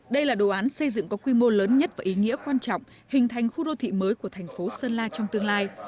đây là đồ án xây dựng có quy mô lớn nhất và ý nghĩa quan trọng hình thành khu đô thị mới của thành phố sơn la trong tương lai